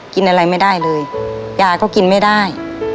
กินอะไรไม่ได้เลยยาก็กินไม่ได้